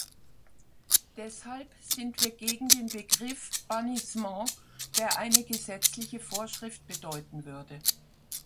Deshalb sind wir gegen den Begriff bannissement, der eine gesetzliche Vorschrift bedeuten würde.